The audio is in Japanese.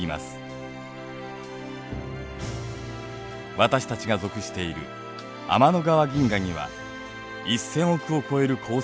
私たちが属している天の川銀河には１，０００億を超える恒星があります。